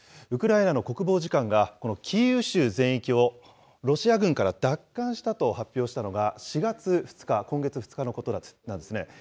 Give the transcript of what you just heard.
ウクライナの国防次官が、このキーウ州全域をロシア軍から奪還したと発表したのが４月２日、今月２日のことなんですね。